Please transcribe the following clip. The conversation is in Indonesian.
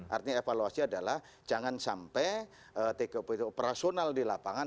artinya evaluasi adalah jangan sampai tkp itu operasional di lapangan